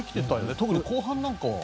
特に後半なんかは。